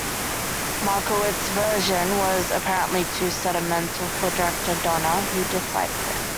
Markowitz's version was apparently too sentimental for director Donner, who disliked it.